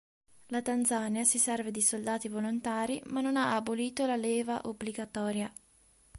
La Tanzania si serve di soldati volontari ma non ha abolito la leva obbligatoria.